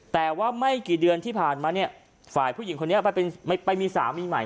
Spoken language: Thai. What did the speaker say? แต่ว่าไม่กี่เดือนที่ผ่านมาเนี่ยฝ่ายผู้หญิงคนนี้ไปมีสามีใหม่